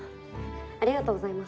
ありがとうございます。